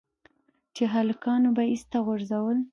چې هلکانو به ايسته غورځول.